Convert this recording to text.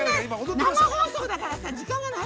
◆生放送だから、時間がない。